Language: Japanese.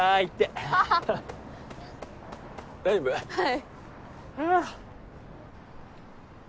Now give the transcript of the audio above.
はい。